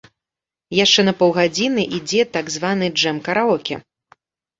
Яшчэ на паўгадзіны ідзе так званы джэм-караоке.